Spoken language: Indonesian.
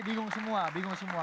bingung semua bingung semua